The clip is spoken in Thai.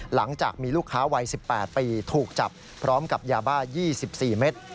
หลังจากมีลูกค้าวัย๑๘ปีถูกจับพร้อมกับยาบ้า๒๔เมตร